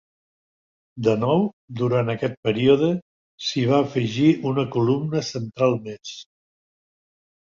De nou, durant aquest període, s'hi va afegir una columna central més.